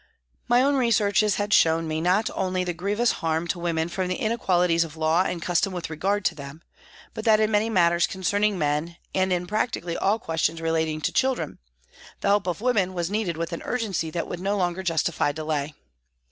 My own researches had shown me not only the grievous harm to women from the inequalities of law and custom with regard to them, but that in many matters concerning men, and in practically all ques tions relating to children, the help of women was needed with an urgency that would no longer justify delay.